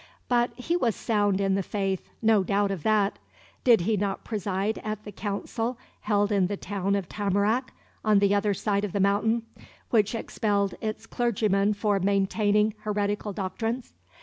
But he was sound in the faith; no doubt of that. Did he not preside at the council held in the town of Tamarack, on the other side of the mountain, which expelled its clergyman for maintaining heretical doctrines?